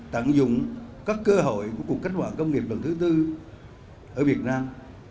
tạm dụng các cơ hội của cuộc cách hoạt công nghiệp lần thứ tư ở việt nam